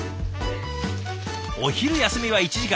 お昼休みは１時間。